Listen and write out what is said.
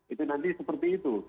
itu nanti seperti itu